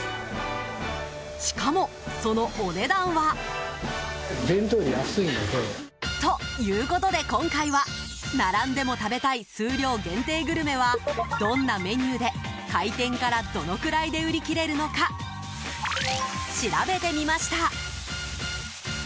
しかも、そのお値段は。ということで今回は並んでも食べたい数量限定グルメはどんなメニューで開店からどのくらいで売り切れるのか調べてみました。